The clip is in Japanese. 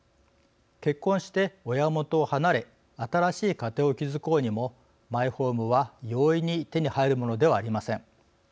結婚して親元を離れ新しい家庭を築こうにもマイホームは容易に手に入るものではありません。